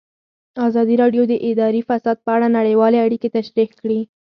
ازادي راډیو د اداري فساد په اړه نړیوالې اړیکې تشریح کړي.